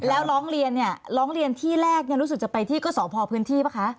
แล้วร้องเรียนเนี่ยร้องเรียนที่แรกเนี่ยรู้สึกจะไปที่ก็สพพื้นที่ป่ะคะ